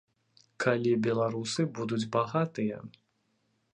Калі беларусы будуць багатыя?